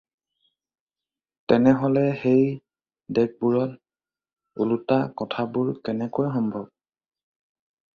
তেনেহ'লে সেই দেশবোৰত ওলোটা কথাবোৰ কেনেকৈ সম্ভৱ?